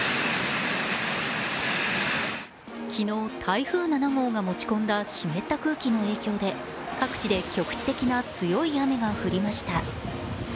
昨日、台風７号が持ち込んだ湿った空気の影響で各地で局地的な強い雨が降りました。